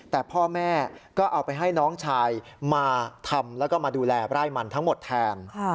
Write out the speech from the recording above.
แต่พ่อแม่ก็เอาไปให้น้องชายมาทำแล้วก็มาดูแลไร่มันทั้งหมดแทน